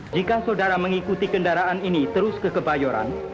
jika saudara mengikuti kendaraan ini terus ke kebayoran